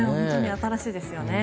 新しいですよね。